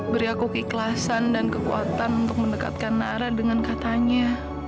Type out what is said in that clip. beri aku keikhlasan dan kekuatan untuk mendekatkan nara dengan katanya